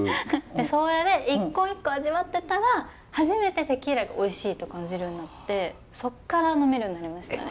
それで一個一個味わってたら初めてテキーラがおいしいと感じるようになってそこから呑めるようになりましたね。